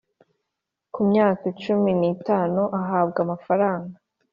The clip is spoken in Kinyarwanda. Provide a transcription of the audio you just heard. kumyaka cumi n itanu ahabwa amafaranga